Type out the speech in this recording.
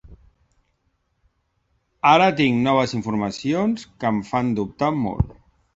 Ara tinc noves informacions que em fan dubtar molt.